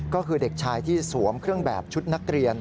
ก็คือเด็กชายที่สวมเครื่องแบบชุดนักเรียน